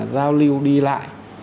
giao lưu đi lại